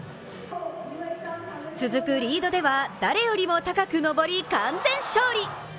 続くリードでは誰よりも高く登り完全勝利。